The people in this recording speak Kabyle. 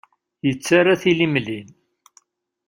Yettarra tilimlin.